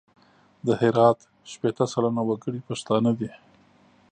د هرات شپېته سلنه وګړي پښتانه دي.